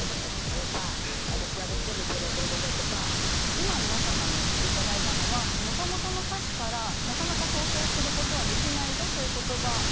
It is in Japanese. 今皆様にお聴きいただいたのはもともとの歌詞からなかなか放送することはできないぞという言葉ま